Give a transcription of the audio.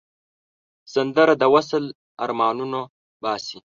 سندره د وصل آرمانونه باسي